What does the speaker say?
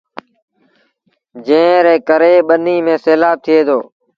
جݩهݩ ري ڪري ٻنيٚ ميݩ سيلآب ٿئي دو۔